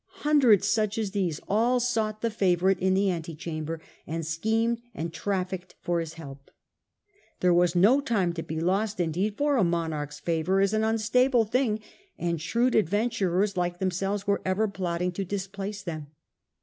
Hundreds such as these all sought the favourite in the antechamber, and schemed and trafficked for his help. There was no time to be lost, indeed, for a monarches favour is an unstable thing, and shrewd adventurers like themselves were ever plotting to displace them.